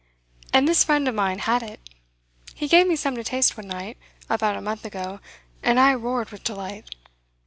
And this friend of mine had it. He gave me some to taste one night, about a month ago, and I roared with delight.